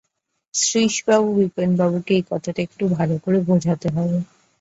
শ্রীশবাবু বিপিনবাবুকে এই কথাটা একটু ভালো করে বোঝাতে হবে।